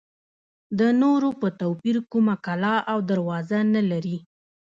د نورو په توپیر کومه کلا او دروازه نه لري.